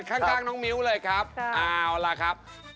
ก้าวออกมาครับ